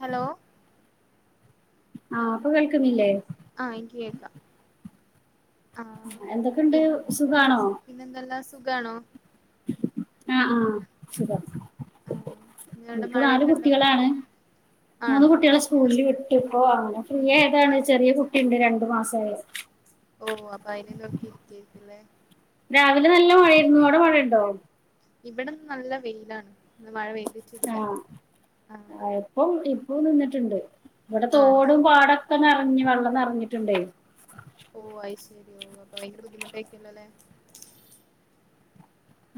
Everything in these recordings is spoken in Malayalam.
ഹലോ ആ ഇപ്പ കേൾക്ക്ന്നില്ലേ ആ എനിക്ക് കേക്കാം എന്തൊക്കെ ഇണ്ട് സുഖാണോ പിന്നെ എന്തെല്ലാ സുഖാണോ ആ ആഹ് സുഖം ആഹ് ഇന്നവിടെ ഇൻക്ക് നാല് മഴയൊക്കെ ഉണ്ടോ കുട്ടികളാണ് മൂന്ന് ആണോ കുട്ടികളെ സ്കൂൾല് വിട്ടു ഇപ്പോ അങ്ങനെ ഫ്രീ ആയതാണ് ചെറിയ കുട്ടി ഇണ്ട് രണ്ടു മാസായെ ഓ അപ്പൊ അയിനെ നോക്കി ഇരിക്ക്യായിരിക്കു ലെ രാവിലെ നല്ല മഴയായിരുന്നു അവടെ മഴ ഇണ്ടോ ഇവടെ ഇന്ന് നല്ല വെയിലാണ് ഇന്ന് മഴ പെയ് ആഹ് എപ്പം ഇപ്പോ നിന്ന്ട്ട്ണ്ട് ഇവടെ ആണല്ലേ തോടും പാട ഒക്കെ നെറഞ്ഞ് വെള്ളം നെറഞ്ഞിട്ടുണ്ടേ ഓഹ അയ് ശരി ഓഹ അപ്പൊ ഭയങ്കര ബുദ്ധിമുട്ടായിരിക്കൂലല്ലേ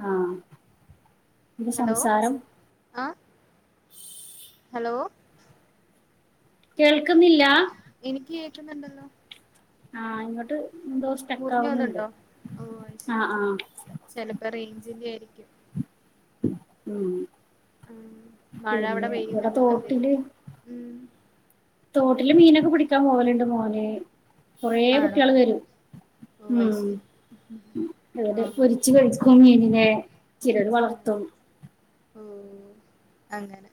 ആഹ് എന്താ ഹലോ സംസാരം ആഹ് ഹലോ കേൾക്കുന്നില്ലാ എനിക്ക് കേക്കുന്നുണ്ടല്ലോ ആഹ് ഇങ്ങോട്ട് എന്തോ മുറിഞ്ഞു സ്റ്റക്കാവുന്നുണ്ട് പോന്നുണ്ടോ ഓ ആഹ് അയ്ശരി ആഹ് ചെലപ്പോ റേഞ്ചിന്റെ ആയിരിക്കും ഉം ഉം മഴ അവിടെ പിന്നെ ഇവിടെ പെയ്യുന്നുണ്ടല്ലോ തോട്ടില് അതെര്ക്കും ഉം. തോട്ടില് മീനൊക്കെ പിടിക്കാൻ പോവല്ണ്ട് മോന് കൊറെ കുട്ടിയാള് വെരും. ഓഹ അയ് ശരി എന്നിട്ട് ആഹ് പൊരിച്ച്കഴിക്കും മീനിനെ ചിലെര് വളർത്തും. ഓഹ് അങ്ങെനെ. ! !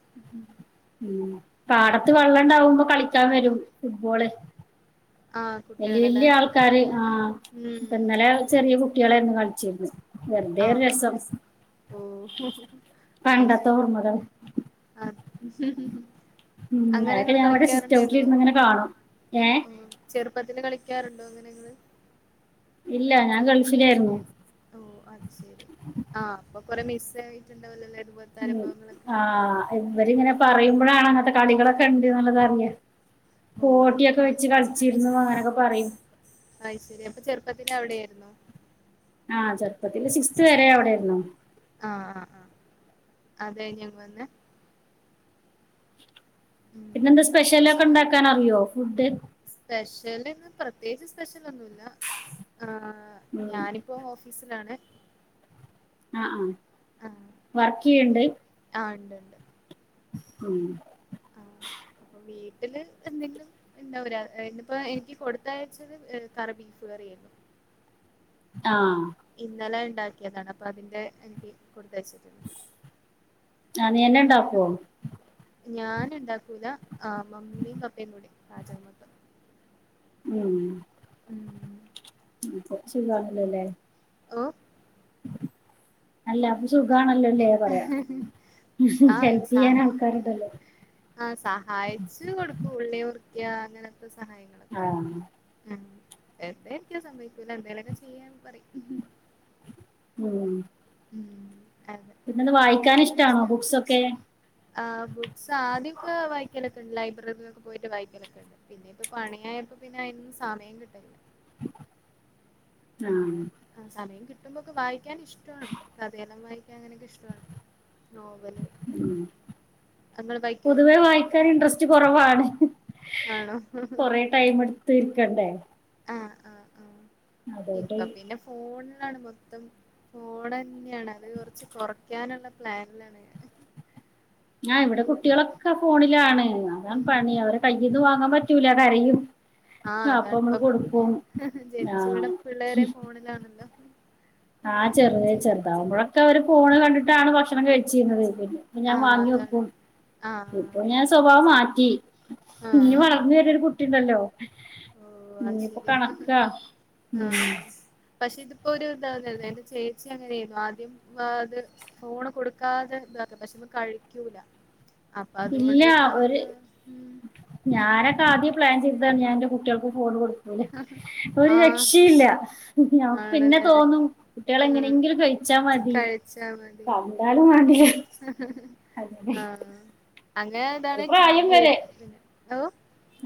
ഉം പാടെത്ത് വള്ളണ്ടാവുമ്പോ കളിക്കാൻ വെരും ഫുട്ബോള് ആഹ് വെല്ല്യ, കുട്ടികളല്ലേ വെല്ല്യ ആൾക്കാര് ആഹ ഇപ്പ ഉം ഇന്നലെ ചെറിയെ കുട്ടിയാളാര്ന്നു കളിച്ചിര്ന്ന്. വെർതെ ഒര് ആഹ് ആഹ് രെസം ആഹ് ഓ പണ്ടെത്തെ ഓർമകൾ. അഹ് ഉം അങ്ങനെ അതൊക്കെ ഇങ്ങള് ഞാൻ ഇവിടെ കളിക്കാറുണ്ടേന്നു. സിറ്റൗട്ടിലിരുന്ന് ഇങ്ങനെ കാണും ഏഹ് ആഹ് ചെറുപ്പത്തില് കളിക്കാറുണ്ടോ അങ്ങെനെഇങ്ങെള്? ഇല്ല ഞാൻ ഗൾഫിലേർന്നു. ഓഹ് അത് സെരി ആഹ അപ്പൊ കൊറെ മിസ്സായിറ്റുണ്ടാവല്ലെ അതുപോലെ ഉം ആഹ് ഇവരിങ്ങെനെ പറയുമ്പഴാണ് അങ്ങൻത്തെ കളികളൊക്കെ ഇണ്ട്ന്ന്ള്ളത് അറിയ. ഓ ഗോട്ടിയൊക്കെ വെച്ച് കളിച്ചിരുന്നു അങ്ങെനെയൊക്കെ പറയും. അഹ് ശെരി അപ്പൊ ചെറുപ്പത്തില് അവിടെയാര്ന്നു. ആഹ് ചെറുപ്പത്തില് സിക്സ്ത് വെരെ അവിടെര്ന്നു. ആഹ്, ആഹ, ആഹ അത് കഴിഞ്ഞഞങ്ങ് വന്നെ പിന്നെന്താ ഉം സ്പെഷ്യലൊക്കെ ഇണ്ടാക്കാൻ അറിയോ ഫുഡ്? സ്പെഷ്യല്ന്ന് പ്രത്യേകിച്ച് സ്പെഷ്യലൊന്നുല്ല ആഹ ഉം ഞാനി ഇപ്പൊ ഓഫീസിലാണെ അഹ്, ആഹ വർക്കെയ്യ്ണ്ട്? ആഹ് ഇണ്ട്ണ്ട്. ഉം ! ! വീട്ടില് എന്തെങ്കിലും ഇണ്ടാവുര ഏഹ ഇന്ന്പ്പ എനിക്ക് കൊടുത്തയച്ചത് കറിബീഫ് കറിയെര്ന്നു. ആഹ് ഇന്നെലെ ഇണ്ടാക്കിയതാണ് അപ്പൊ അതിന്റെ എനിക്ക് കൊട്ത്തയിച്ചിട്ട്ണ്ട്. ആഹ ന്നീയെന്നെ ഇണ്ടാക്കോ? ഞാൻ ഇണ്ടാക്കൂല ആഹ മമ്മീംപപ്പീ കൂടിം പാചകം മൊത്തം. ഉം ഉം ഉം കൊച്ച് ഇതാണല്ലോലെ? ഓഹ് അല്ല അപ്പൊ സുഖാണല്ലോല്ലേ പറയാ ഹെല്പ് ചെയ്യാൻ ആൾക്കാര്ണ്ടല്ലോ? ആഹ് സഹായിച്ച് കൊട്ക്കു ഉള്ളിമുറിക്കാ അങ്ങനെക്കോ സഹായി- ആഹ് അഹ് വെറുതെ ഇരിക്കാൻ സമ്മയ്ക്കൂല എന്തേലൊക്കെ ചെയ്യാൻപറിം. ഉം ഉം അതെ പിന്നെന്താ വായിക്കാൻ ഇഷ്ട്ടാണോ ബുക്ക്സൊക്കെ ആഹ് ബുക്സ് ആധ്യെക്കെ വായിക്കാലൊക്കെണ്ട് ലൈബ്രറില് ഒക്കെ പോയിട്ട് വായിക്കാലൊക്കെഇണ്ട്. പിന്നെഇപ്പൊ പണിയായപ്പോ പിന്നെ അയ്നൊന്നും സമയംകിട്ടെല് ല്ല. ആ പിന്നെ സമയം കിട്ടുമ്പോക്കെ വായിക്കാൻ ഇഷ്ട്ടോണ് കഥയെല്ലം വായിക്കാ അങ്ങനൊക്കെ ഇഷ് ട്ടാണ് നോവെല്. ഉം പൊതുവേ വായിക്കാന് ഇൻട്രസ്റ്റ് കൊറവാണ് ആണോ കൊറേ ട്ടയ്മ് ഇട്ത്ത് ഇര്ക്കണ്ടേ ആഹ് ആഹ് ആഹ് അതുകൊണ്ട് ഇപ്പൊ പിന്നെ ഫോണിലാണ് മൊത്തം ഫോണെന്നെണ് അത് കുറച്ച് കുറയ്ക്കാനുള്ള പ്ലാനിലാണ് ഞാ ആഹ് ഇവടെ കുട്ടികളൊക്കെ ഫോണിലാണ് അതാണ് ഉം പണി അവരെ കയ്യിൽന്ന് വാങ്ങാൻ പറ്റൂല കരയും ആഹ് ആ അപ്പൊ അതാണ് നമ്മള് ഇപ്പൊ കൊടുക്കും ആ ലാണല്ലോ ആ ചെറ്യ ചെർതാവ്ബോളോക്കെ ഇവരാ ഫോണ് കണ്ടിട്ടാണ് ഭക്ഷണം കയ് [unintelligible] പ്പ ആഹ് ഞാവാങ്ങി അതാണ് വെക്കും ആഹ് ഇപ്പൊ ഞാൻ സ്വഭാവം മാറ്റി ആഹ് ഇഞ്ഞ് ആഹ് വളർന്ന് വര്ന്നോരു കുട്ടിണ്ടല്ലോ ഓ അത് ഞ്ഞിപ്പോ ശരിയാ കണക്കാ ഉം ആഹ് പക്ഷെ ഇതിപ്പോ ഒരു ഇന്താന്നല്ലേ എന്റെ ചേച്ചി അങ്ങനെര്ന്നു ആദ്യം വാത് ഫോണ് കൊടുക്കാതെ ദാക്കാ പക്ഷെ ഇവൻ കഴിക്കൂല അപ്പൊ ഇല്ല അതോണ്ട് ഒരു ഫോണ് ഞാനൊക്കെ ആദ്യേ പ്ലാൻ ചെയ്താണ് ഞാ എന്റെ കുട്ട്യാൾക്ക് ഫോൺ കൊടുക്ക് ഒരു ആഹ് രക്ഷീല്ല ഞമ്മക്ക് പിന്നെ ആണല്ലേ തോന്നും കുട്ട്യാള് ഉം എങ്ങനെങ്കിലും കയ്ച്ചാ മതി കണ്ടാലും വാണ്ടില ആ അങ്ങനെ ഒരു ഇതാണ് ടി വി ആയിരിക്കുന്നത് ഓ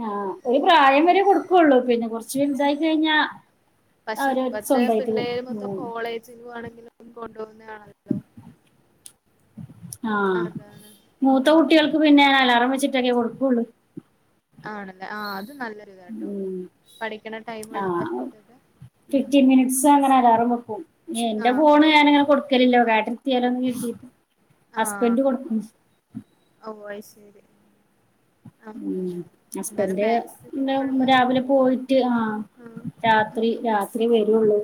ആ ഒരു ഉം പ്രായം വരെ കൊടുക്കുള്ളൂ പിന്നെ കോറച്ച് വൽതായി കയ്ഞ്ഞാ പക്ഷെ അവര് ഇപ്പത്തെ സ്വന്തായിട്ട് പിള്ളേര് മൊത്തം [unintelligible] [unintelligible] ആണെങ്കിലും കൊണ്ടോവുന്നത് ആണല്ലോ ആ അതാണ് മൂത്ത ഉം കുട്ടികൾക്ക് പിന്നെ അലാറം വെച്ചിട്ടൊക്കെ കൊടുക്കുള്ളൂ ആണല്ലേ ആ അത് നല്ലൊരു ഇതാട്ടോ ഉം പഠിക്കണ ടൈമ് ഒയ് ആഹ് വാക്കീട്ടോക്കെ ഫിഫ്റ്റീൻ മിനിറ്റ്സ് അങ്ങനെ അലാറാം വെക്കും എന്റെ ആ ആ ഫോണ് ഞാനിങ്ങന കൊടു ലല്ലോ കേട്ടത്തിയാലോന്ന് കര്തിട്ട് ഹസ്ബൻഡ് കൊടുക്കും ഔ അയ് ശേരി ഉ എന്നാലും ഹസ്ബൻഡ് എ മാക്സിമം ഒഴിവാ രാവിലെ പോയിട്ട് ആഹ ആ രാത്രി ഉം രാത് ത്രി വരുള്ളൂ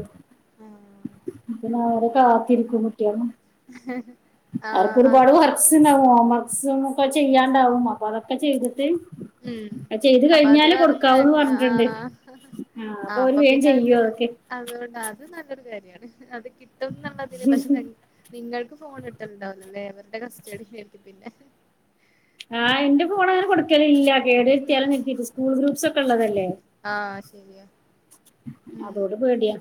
ആ പിന്നെ അവരെ കാത്തിരിക്കും കുട്ട്യാളും ഹേ ഹേ അവർക്ക് ഒരുപാട് വർക്സ്ണ്ടാവും ഹോം വർക്സും ഒക്കെ ചെയ്യാണ്ടാവും അപ്പ അതൊക്കെ ചെയ്തിട്ട് ഉം അ ചെയ്ത് അപ്പൊ അത് കയ്ഞ്ഞാലേ പറഞ്ഞ കൊടുക്കാവുന്ന് കേക്ക പറഞ്ഞിട്ടുണ്ട് ആഹ് ആഹ് അപ്പൊ ഓല് വേം ചെയ്യും അതൊക്കെ അതുകൊണ്ടാ അത് നല്ലൊരു കാര്യമാണ് അത് കിട്ടും എന്നുള്ളതില് പക്ഷെ നിങ്ങൾക്ക് ഫോൺ കിട്ടുണ്ടാവുന്നല്ലേ അവരുടെ കസ്റ്റഡിലായിരിക്കും പിന്നെ ആഹ് എൻന്റെ ഫോണ് അങ്ങനെ കൊടുക്കല് ഇല്ല കേട് വരുത്തിയാലും [unintelligible] സ്കൂൾ ഗ്രൂപ്പ്സ് ഒക്കെ ഉള്ളതല്ലേ ആഹ് ശരിയ അതോട് പേടിയാ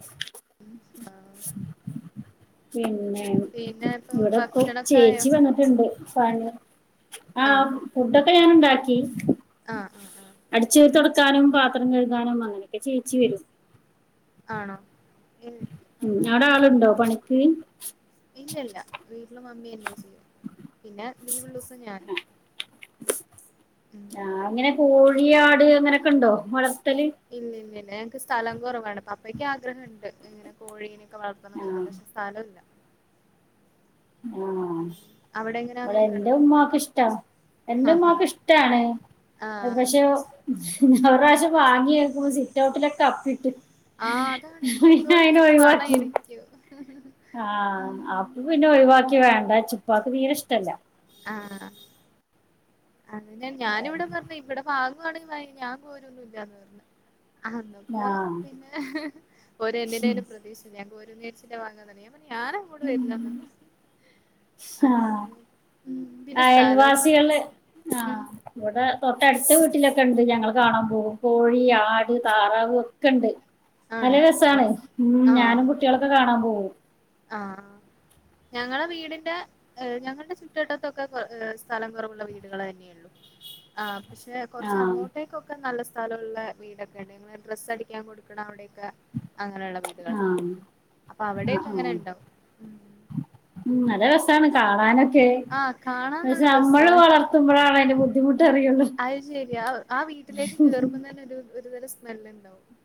പിന്നെ പിന്നെ ഇപ്പൊ ഇവിടെപ്പൊ ഭക്ഷണൊക്കെ ആയോ ചേച്ചി വന്ന ട്ടുണ്ട് പണി ആഹ് ആണോ ഫുഡൊക്കെ ഞൻ ഉണ്ടാക്കി ആഹ് ആഹ് ആഹ് അടിച്ചു വാരി തുടക്കാനും പാത്രം കഴുകാനും അങ്ങനെ ചേച്ചി വരും ആണോ ഏഹ് ഉ അങ്ങനെ അവിടെ ആഹ് ആളുണ്ടോ പണിക്ക് ഇല്ലല്ല വീട്ടില് മമ്മിന്നെ ചെയ്യും പിന്നെ ലീവുള്ള ദിവസം ഞാനും ഉം ആഹ് അങ്ങനെ കോഴി ആട് അങ്ങനൊക്കെ ഉണ്ടോ വളർത്തല് ഇല്ല ഇല്ല ഇല്ല ഞങ്ങക്ക് സ്ഥലം കുറവാണ് അപ്പയ്ക്ക് ആഗ്രഹണ്ട് ഇങ്ങനെ കോഴീനെയൊക്കെ വളർത്തണം എന്നൊക്കെ ആഹ് പക്ഷെ സ്ഥലം ല്ല ആഹ് അവിടെ എങ്ങനെ ഇവടെ അങ്ങനെയൊക്കെ എന്റെ ഉണ്ടോ ഉമ്മാക്ക് ഇഷ്ട എന്റെ ആഹ് ഉമ്മാക്ക് ഇഷ്ടാണ് ആഹ് പക്ഷെ ഒരു പ്രാവശ്യം വാങ്ങി നോക്കുമ്പോ സിറ്റ് ഔട്ടിലൊക്കെ അപ്പി ഇട്ട് ആഹ് അതാണ് എനിക്ക് എന്തോരുഒരു മണം ആയി രിക്കൂ ആഹ് അപ്പ പിന്നെ ഒഴിവാക്കി വേണ്ട ചിപ്പക്ക് തീരെ ഇഷ്ടല്ല ആഹ് അതിന് ഞാനിവടെ പറഞ് ഇവടെ വാങ്ങാണെങ്കി മയി ഞാൻ കോരൊന്നു ഇല്ലാന്ന് പറഞ്ഞു അന്ന്പ്പോ ആഹ് പിന്നെ ഓര് എന്റെ ഒരു പ്രതീഷ്ച്ചു ഞാൻ കോരുന്ന്യാ വിചാരിച്ചിട്ടാവാങ്ങാൻ തൊടങ്ങിയെ ഞാൻ പറഞ്ഞു ഞാനങ്ങോട് വരില്ലന്ന് പറഞ്ഞു ആഹ് അതോണ്ട് പിന്നെ സ്ഥലൊക്കെ ഉണ്ടെങ്കില് അയൽവാസികള് മേണ്ടില്ല ആഹ് ഇവടെ തൊട്ടടുത്ത വീട്ടിലൊക്കെ ഇണ്ട് ഞങ്ങള് കാണാം പോവും കോഴി ആട് താറാവ് ഒക്കെ ഇണ്ട് നല്ല ആണല്ലേ ഓ രസാണ് ഉം ഞാനും ആഹ് കുട്ടേളൊ ക്കെ കാണാം പോവും ആഹ് ഞങ്ങളെ വീടിന്റെ ഞങ്ങളുടെ ചുറ്റുവട്ടത്തൊക്കെ സ്ഥലം കൊറവ്ള്ള വീടുകളെന്നെണ് ള്ളൂ ആഹ് പശേ ആഹ് കൊറച്ചങ്ങോട്ടേക്കൊ ക്കെ നല്ല സ്ഥലള്ള വീടൊക്കെണ് ഞങ്ങള് ഡ്രസ്സ് അടിക്കാ കൊട്ക്ക്ണെ അവിടൊക്കെ അങ്ങനെള്ള വീടുകളാ ആഹ് അപ്പൊ അവിടൊക്കെ ആഹ് ഇങ്ങനെ ആഹ് ഇണ്ടവും ഉം നല്ല രസാണ് കാണാനൊ ക്കെ ആഹ് കാണാൻ നല്ല പഷേ അമ്മള് രസാണ് വളർത്തുമ്പഴാണ് അതിന്റെ ബുദ്ധിമുട്ട് അറിയൊള്ളൂ അയ് ശരി ആഹ് ആ ഹ് വീട്ടിലേക്ക് കേറുമ്പോ തന്നെ ഒരു ഒരുതരം സ്മെല്ല്ണ്ടാവും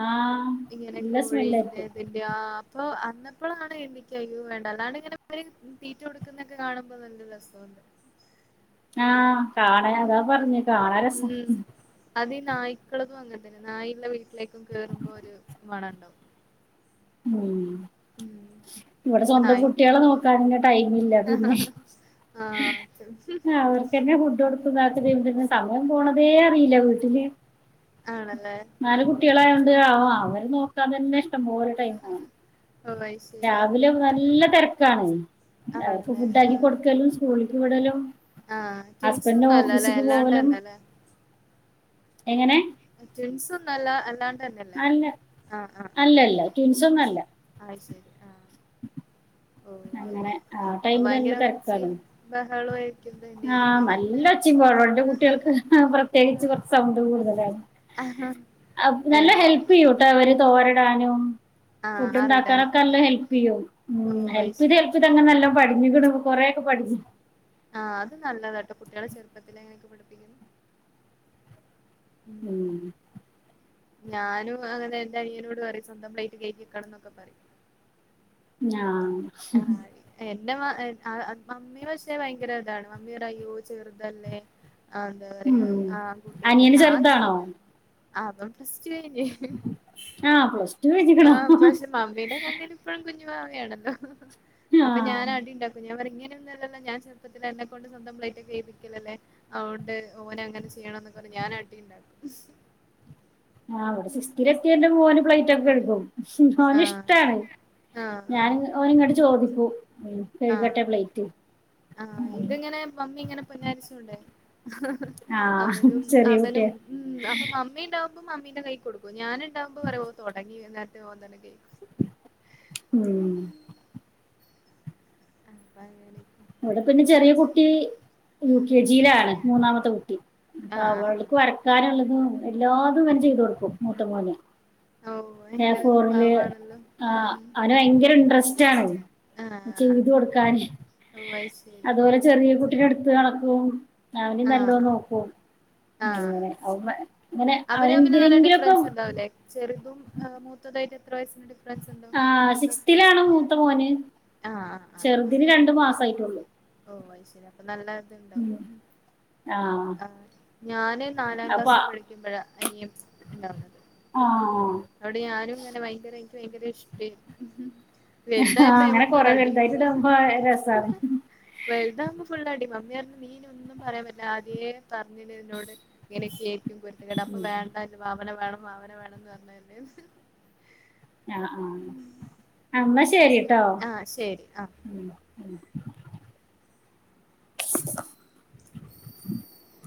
ആഹ് ഇങ്ങനൊക്കെ നല്ല കോഴീം സ്മെല്ലായിരിക്കും [unintelligible] ആഹ്അപ്പൊ അന്നപ്പളാണ് എനിക്കയ്യോ വേണ്ട അല്ലാ ണ്ട ങ്ങനെ തീറ്റ് കൊടു ക്കുന്നൊക്കെ കാണുമ്പോ നല്ല രസോണ്ട്. ആഹ് കാണ അതാ പറഞ് കാണാ രസ ഉം അത് ഇഹ് നായ്ക്കളതും അങ്ങൻതന്നെ നായിള്ള വീട്ടിലേക്കും കേറുമ്പോ ഒരു മണണ്ടാവും ഉം. ഉം. ഇവടെ പക്ഷെ സ്വന്തം നായ്ക്ക് കുട്ട്യോളെ നോക്കാനന്നെ ടൈമില്ല പിന്നെ ആ അത് ആവർ ക്കെന്നെ ഫുഡ് കൊടുക്കതാക്ക പിന്നെ സമയം പോണതേ അറിയില്ല വീട്ടില് ആണല്ലേ നാല് ഓ ഓ കുട്ടളായോണ്ട് ആഹ് അവരെ നോക്കാ തന്നെ ഇഷ്ടം പോല ടൈമാണം അത് ശരി രാവിലെ നല്ല തെരക്കാണ്. അവർക് ആണല്ലേ ആ ഫുഡാക്കി കൊടുക്കലും സ്കൂളിക്ക് വിടലും. ആ ട്വിൻസ് ഹസ്ബൻ്റ്ന് ഒന്നും അല്ല അല്ലേ ഓഫീസിക്ക് അല്ലാണ്ട് പോവലും. തന്നെ അല്ലേ എങ്ങനെ? ട്വിൻസൊന്നും അല്ല അല്ലാണ്ടന്നെല്ലേ അല്ല ആഹ് ആഹ് ആഹ് അല്ലല്ല ആഹ്. ട്വിൻസൊന്നും അല്ല ആയ് ശരി ആഹ്. അങ്ങനെ ആഹ് ടൈമിലല്ല തെര്ക്കാണ്. ബഹളോയി. ആഹ് നല്ല ഒച്ചിം ബഹള ഇന്റെ കുട്ടിയാൾക്ക് പ്ര ത്യേയിച്ച് കൊർച്ച് സൗണ്ട് കൂടുതലാണ് ആഹ് നല്ല ഹെൽപ് പിയ്യൂട്ടവര് തോരടാനും. ഫുഡ്ണ്ടാക്കാനൊക്കെ ആറിടാനൊക്കെല്ലേ അല്ലം ഹെൽപ്യ്യും ഓ ഉം അത് ഹെൽപ്ത് ഹെ ശരി ഇട്ട അങ്ങനെല്ലം പടിഞ്ക്ക്ണ് കൊറേ ഒക്കെ പഠിഞ്ഞു. ആഹ് അത് നല്ലതാട്ടോ കുട്ടിയാളെ ചെറുപ്പത്തിലെങ്ങനൊക്കെ പഠിപ്പിക്കുന്ന ഉം. ഞാനും അങ്ങനെ എന്റെ അനിയനോട് പറയും സ്വന്തം പ്ലേറ്റ് കെയ്കിയെക്കണംന്നൊക്കെ പറിം. ഞാ ആഹ് എന്റെ മ മമ്മി പക്ഷേ ഭയങ്കര ഇതാണ് മമ്മി പറ അയ്യോ ചെറ്തല്ലേ. ആഹ് എന്താ പറയാ ഉം ആൺകുട്ടിയല്ലെ അനിയന് ഞാചെ ചെറുതാണോ [unintelligible] ആഹ് പ്ലസ് ടു കഴിഞ്ഞിക്ക്ണു ആഹ് പക്ഷേ മമ്മീന്റെ കണ്ണില്. ഇപ്പഴും കുഞ്ഞുവാവയാണല്ലോ അപ്പൊ ഞാൻ ആഹ് അടിണ്ടാ പ്പൊ ഞാപറിം ഇങ്ങനൊന്നൊല്ലല്ലോ ഞാൻ ചെറ്പ്പത്തില് അന്നെ കൊണ്ട് സ്വന്തം പ്ലേറ്റൊക്കെ കെയ്കിപ്പിക്കലല്ലേ. അതൊണ്ട് ഓനെ അങ്ങനെ ചെയ്യണം എന്നൊക്ക പർഞ്ഞ് ഞാൻ അടി ഇണ്ടാക്കും ആഹ് ഇവടെ സിക്സ്ത്തിലെ ത്തിയേ ഇന്റെ മോന് പ്ലൈറ്റൊക്കെ കെഴുകും. [unintelligible] ആഹ് ഓനിഷ്ടാണ് ആഹ് ഞാൻ ഓൻ ഇങ്ങട്ട് ചോദിക്കും ഉം ആഹ് ആഹ് കെഴ്കട്ടെ പ്ലേറ്റ് ആഹ് ഇതിങ്ങനെ പമ്മി ഇങ്ങനെ പൊന്നാരിച്ചോണ്ടേ ആഹ് അവനും ചെറിയ കുട്ടിയ അവനും ഉം അപ്പൊ മമ്മിണ്ടാവും ഇപ്പൊ മമ്മിന്റെ കൈ കൊടുക്കും ഞാന് ഇണ്ടാവുമ്പോ [unintelligible] തൊടങ്ങി നേരത്തെ ഓൻ തന്നെ കൈകും ഉം അപ്പ അങ്ങനെക്കെ ഇവിടെ പിന്നെ ചെറിയ കുട്ടി യു ഉം കെ ജിയിലാണ് മൂന്നാമത്തെ കുട്ടി അപ്പൊ ആഹ് ആഹ് അവൾക്ക് ആഹ് വരക്കാനുള്ളതും എല്ലാതും ഇവൻ ചെയ്ത് കൊടുക്കും മൂത്ത മോന് ഓ എ ഭയങ്കര ഫോറില് പാവാണല്ലോ ആ ഉം അവന് ഭയങ്കര ഇന്ട്രസ്റ്റ് ആണ് ചെയ്ത് കൊടുക്കാനെയ് ഓഹ് വൈ ശെരി ചെറിയ കുട്ടിനെ ഇട്ത്ത് നടക്കും അവനി നല്ലോ ആഹ് നോക്കും ആഹ് അങ്ങനെ [unintelligible] അവര് തമ്മില് നല്ല അവനെന്തിലെങ്കിലൊക്കെ ഡിഫറൻസ് ഉണ്ടാവുംല്ലേ ചെറുതും മൂത്തതായിട്ട് എത്ര വയസ് ഡിഫെറെൻസ്ണ്ടോ ആഹ് മൂത്ത സിക്സ്ത്തിലാണ് മൂത്ത മോന് ആഹ് [unintelligible] ചെറ്തിന് രണ്ട് മാസായിട്ടൊള്ളു ഓഹ് അത് ശെരി അപ്പൊ നല്ല ഇതുണ്ടാവും ആഹ് ഞാന് നാലാം അപ്പൊ ക്ലാസ് പഠിക്കുമ്പഴാ അനിയൻ ഉണ്ടാവ്ന്നത് ആഹ് അതോണ്ട് ഞാനും ഇങ്ങനെ ഭയങ്കര എനിക്ക് ഭയങ്കര ഇഷ്ട്ടേ ആഹ് വൽതായപ്പം നമ്മൾ അങ്ങനെ ഫുള്ള് കൊറെ അടി വലുതായിട്ട് ഇടുമ്പോ രസാണ് വൽതാകുമ്പം ഫുള്ള് അടി മമ്മി പറഞ് നീയിനി ഒന്നും പറയാൻ പറ്റില്ല ആദ്യേ പറ്ഞ്ഞിലേ നിന്നോട് ഇങ്ങനെയൊക്കെയിരിക്കും കുര് തകേട് അപ്പം ഉം വേണ്ട ഇജ് വാവനെ വേണം വാവനെ വേണം ന്ന് പറഞ്ഞ ല്ലേന്ന് ആഹ് ആഹ് എന്നാ ശരി ട്ടോ ആഹ് ശരി ആഹ് [inaudible]